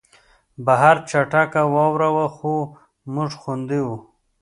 بهر چټکه واوره وه خو موږ خوندي وو